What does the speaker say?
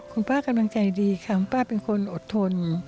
คุณป้ากำลังใจดีค่ะคุณป้าเป็นคนอดทน